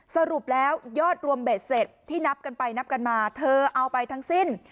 สรุปแล้วยอดรวมเบ็ดเสร็จที่นับกันไปนับกันมาเธอเอาไปทั้งสิ้น